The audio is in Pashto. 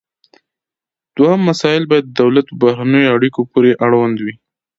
دوهم مسایل باید د دولت په بهرنیو اړیکو پورې اړوند وي